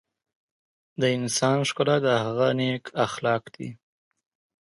د انسان ښکلا د هغه نیک اخلاق دي.